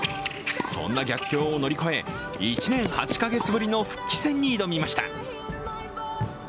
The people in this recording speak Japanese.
そんな逆境を乗り越え、１年８か月ぶりの復帰戦に挑みました。